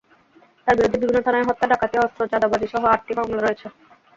তাঁর বিরুদ্ধে বিভিন্ন থানায় হত্যা, ডাকাতি, অস্ত্র, চাঁদাবাজিসহ আটটি মামলা রয়েছে।